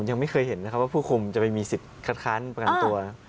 ยังไม่เคยเห็นนะครับว่าผู้คุมจะไปมีสิทธิ์คัดค้านประกันตัว